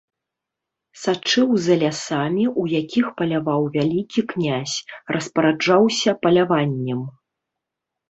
Сачыў за лясамі, у якіх паляваў вялікі князь, распараджаўся паляваннем.